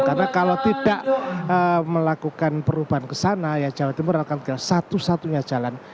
karena kalau tidak melakukan perubahan ke sana ya jawa timur akan menjadi satu satunya jalan